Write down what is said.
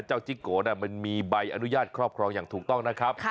จิ๊กโกมันมีใบอนุญาตครอบครองอย่างถูกต้องนะครับ